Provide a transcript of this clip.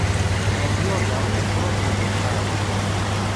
Leḍyur daɣen ad fṛuṛxen di lqaɛa.